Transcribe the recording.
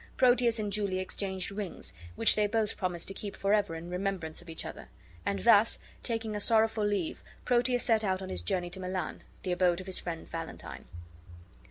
Proteus and Julia exchanged rings, which they both promised to keep forever in remembrance of each other; and thus, taking a sorrowful leave, Proteus set out on his journey to Milan, the abode of his friend Valentine.